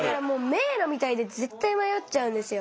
迷路みたいで絶対迷っちゃうんですよ。